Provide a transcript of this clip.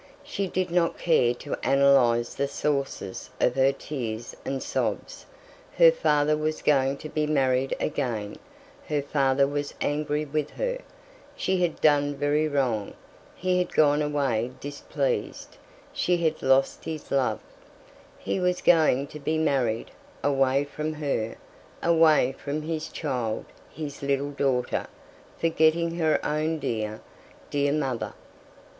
She did not care to analyze the sources of her tears and sobs her father was going to be married again her father was angry with her; she had done very wrong he had gone away displeased; she had lost his love; he was going to be married away from her away from his child his little daughter forgetting her own dear, dear mother.